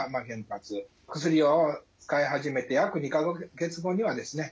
薬を使い始めて約２か月後にはですね